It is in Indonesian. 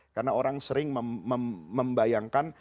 karena orang sering membayangkan